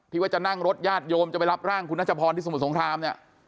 ว่าจะนั่งรถญาติโยมจะไปรับร่างคุณนัชพรที่สมุทรสงครามเนี่ย